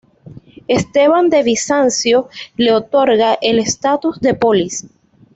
Esteban de Bizancio le otorga el estatus de polis.